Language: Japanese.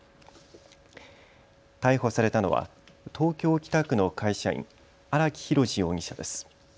逮捕されたのは東京北区の会社員、荒木博路容疑者です。